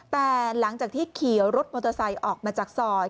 แต่หลังจากที่ขี่รถมอเตอร์ไซค์ออกมาจากซอย